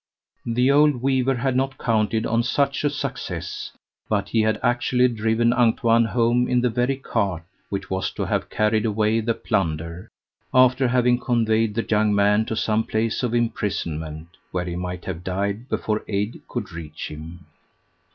The old weaver had not counted on such a success, but he had actually driven Antoine home in the very cart which was to have carried away the plunder, after having conveyed the young man to some place of imprisonment, where he might have died before aid could reach him.